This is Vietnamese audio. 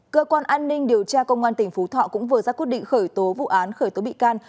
cơ quan an ninh điều tra công an tỉnh phú thọ cũng vừa ra quyết định khởi tố vụ án khởi tố bị can